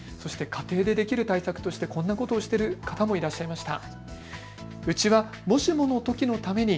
家庭でできる対策としてこんなことをしている方もいらっしゃいました。